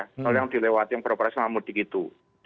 kalau yang dilewati yang beroperasi mamudi gitu